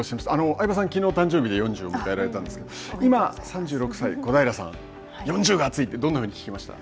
相葉さん、きのう誕生日で４０を迎えられたんですけど、今、３６歳の小平さん、４０が熱いってど